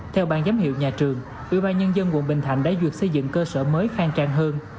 theo ban giám hiệu nhà trường ủy ban nhân dân quận bình thạnh đã duyệt xây dựng cơ sở mới phan trang hơn